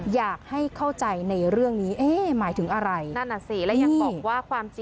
อยากให้เข้าใจในเรื่องนี้หมายถึงอะไร